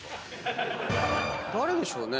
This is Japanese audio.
誰でしょうね？